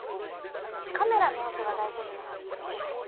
カメラの音声は大丈夫なはずですけど。